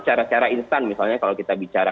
cara cara instan misalnya kalau kita bicara